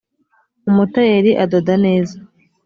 umutayeri adoda neza.